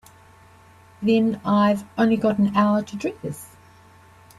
Then I've only got an hour to dress.